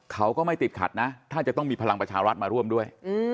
เขาก็ไม่ติดขัดนะถ้าจะต้องมีพลังประชารัฐมาร่วมด้วย